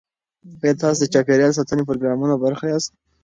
ایا تاسو د چاپیریال ساتنې پروګرامونو برخه یاست؟